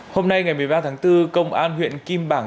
hôm nay ngày một mươi ba tháng bốn công an huyện kim bảng